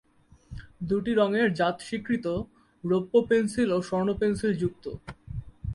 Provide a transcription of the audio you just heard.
দুটি রঙের জাত স্বীকৃত, রৌপ্য-পেনসিল এবং স্বর্ণ-পেন্সিলযুক্ত।